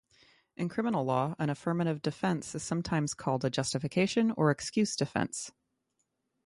In criminal law, an affirmative defense is sometimes called a justification or excuse defense.